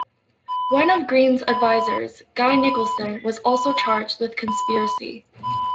One of Green's advisers, Guy Nicholson, was also charged with conspiracy.